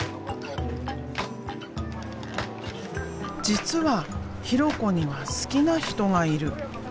実は弘子には好きな人がいる。